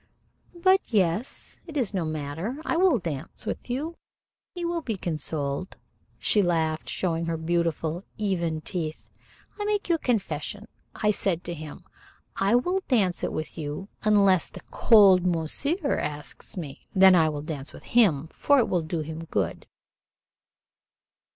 "But, yes. It is no matter. I will dance it with you. He will be consoled." She laughed, showing her beautiful, even teeth. "I make you a confession. I said to him, 'I will dance it with you unless the cold monsieur asks me then I will dance with him, for it will do him good.'"